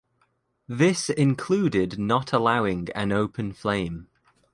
This included not allowing an open flame.